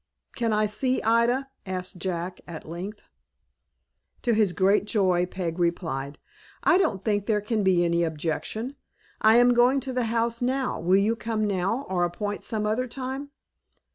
"Can I see Ida?" asked Jack, at length. To his great joy, Peg replied, "I don't think there can be any objection. I am going to the house now. Will you come now, or appoint some other time?"